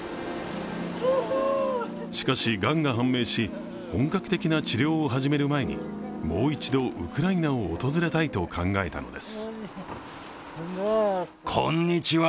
しかし、がんが判明し、本格的な治療を始める前にもう一度ウクライナを訪れたいと考えたのです。